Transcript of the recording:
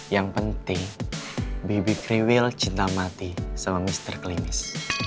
yang penting baby kreweel cinta mati sama mr kelimis